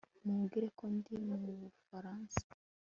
mubwire ko ndi mu bufaransa